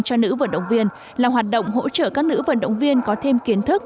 cho nữ vận động viên là hoạt động hỗ trợ các nữ vận động viên có thêm kiến thức